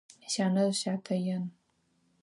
Сянэжъ сятэ ян.